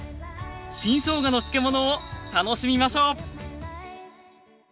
新しょうがの漬物を楽しみましょう！